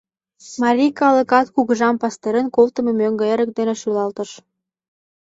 Марий калыкат кугыжам пастырен колтымо мӧҥгӧ эрык дене шӱлалтыш.